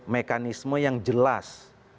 mekanisme yang jelas